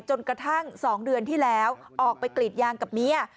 จนกระทั่ง๒เดือนที่แล้วออกไปกรีดยางกับเมีย